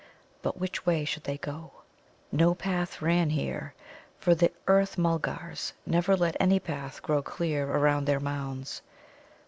But which way should they go? No path ran here, for the Earth mulgars never let any path grow clear around their mounds.